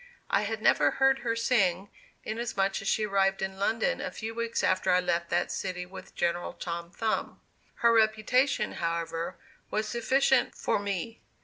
I had never heard her sing, inasmuch as she arrived in London a few weeks after I left that city with General Tom Thumb. Her reputation, however, was sufficient for me.